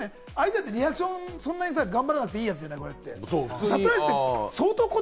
だってリアクションあんまり頑張らなくていいやつじゃないですか。